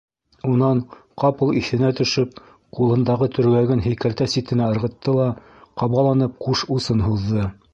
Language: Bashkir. Унан, ҡапыл иҫенә төшөп, ҡулындағы төргәген һикәлтә ситенә ырғытты ла ҡабаланып ҡуш усын һуҙҙы: